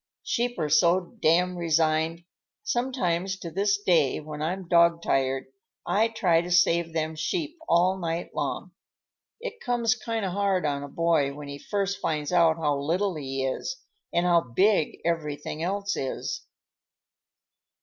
Sheep are so damned resigned. Sometimes, to this day, when I'm dog tired, I try to save them sheep all night long. It comes kind of hard on a boy when he first finds out how little he is, and how big everything else is."